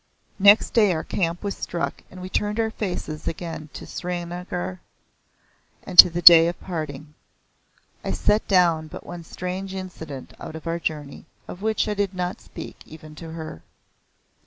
Next day our camp was struck and we turned our faces again to Srinagar and to the day of parting. I set down but one strange incident of our journey, of which I did not speak even to her.